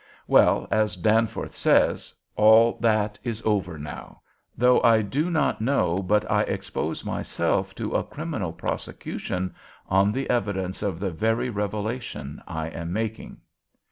Well, as Danforth says, all that is over now, though I do not know but I expose myself to a criminal prosecution on the evidence of the very revelation I am making.